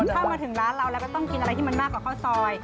ถ้ามาถึงร้านเราแล้วก็ต้องกินอะไรที่มันมากกว่าข้าวซอย